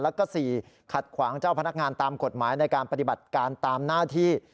แล้วก็๔ขัดขวางเจ้าพนักงานตามกฎหมายในการปฏิบัติการตามหน้าที่